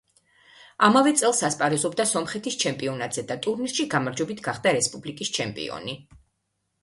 ამავე წელს ასპარეზობდა სომხეთის ჩემპიონატზე და ტურნირში გამარჯვებით გახდა რესპუბლიკის ჩემპიონი.